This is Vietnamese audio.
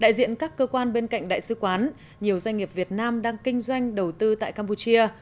đại diện các cơ quan bên cạnh đại sứ quán nhiều doanh nghiệp việt nam đang kinh doanh đầu tư tại campuchia